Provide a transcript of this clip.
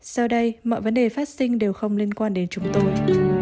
sau đây mọi vấn đề phát sinh đều không liên quan đến chúng tôi